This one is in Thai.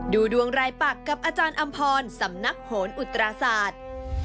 ดูดวงรายปักกับอาจารย์อำพรสำนักโหนอุตราศาสตร์